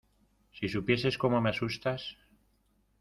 ¡ si supieses cómo me asustas!...